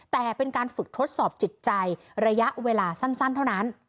แต่เป็นการฝึกทดสอบจิตใจระยะเวลาสั้นเท่านั้น